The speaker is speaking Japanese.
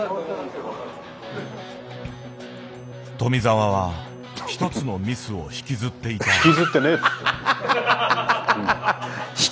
富澤は一つのミスを引きずっていた。